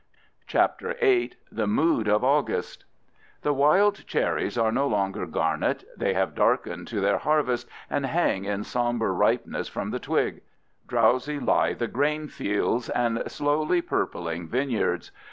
CHAPTER VIII. THE MOOD OF AUGUST The wild cherries are no longer garnet; they have darkened to their harvest and hang in somber ripeness from the twig. Drowsy lie the grain fields and slowly purpling vineyards.